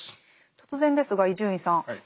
突然ですが伊集院さん。はい。